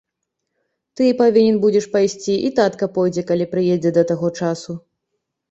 Ты павінен будзеш пайсці, і татка пойдзе, калі прыедзе да таго часу.